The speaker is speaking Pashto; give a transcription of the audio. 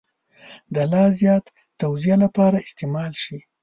د لا زیات توضیح لپاره استعمال شي.